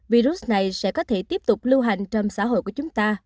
virus này sẽ có thể tiếp tục lưu hành trong xã hội của chúng ta